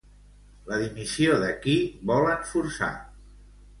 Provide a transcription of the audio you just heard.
La dimissió de qui volen forçar?